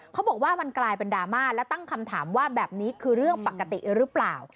เขาบอกว่ามันกลายเป็นดราม่าและตั้งคำถามว่าแบบนี้คือเรื่องปกติหรือเปล่า